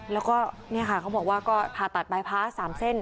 แล้วก็เนี่ยค่ะเขาบอกว่าก็ผ่าตัดบายพ้า๓เส้น